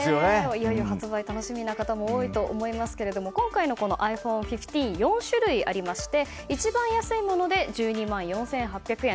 いよいよ発売が楽しみな方も多いと思いますが今回のｉＰｈｏｎｅ１５４種類ありまして一番安いもので１２万４８００円。